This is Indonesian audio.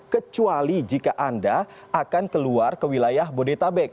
kecuali jika anda akan keluar ke wilayah bodetabek